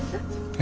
え？